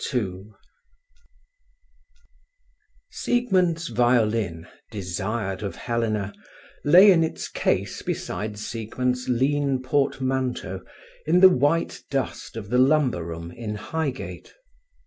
II Siegmund's violin, desired of Helena, lay in its case beside Siegmund's lean portmanteau in the white dust of the lumber room in Highgate.